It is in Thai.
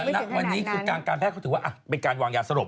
ณวันนี้คือการแพทย์เขาถือว่าเป็นการวางยาสลบ